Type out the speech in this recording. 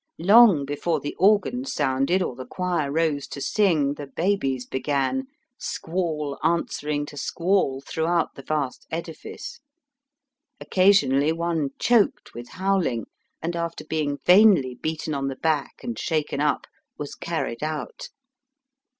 Long before the organ sounded or the choir rose to sing the babies began, squall answering to squall throughout the vast edifice. Occasionally one choked with howling, and after being vainly beaten on the back and shaken up, was carried out.